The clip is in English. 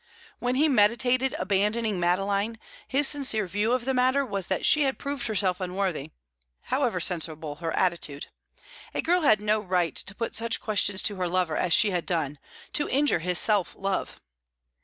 When he meditated abandoning Madeline, his sincere view of the matter was that she had proved herself unworthy: however sensible her attitude, a girl had no right to put such questions to her lover as she had done, to injure his self love.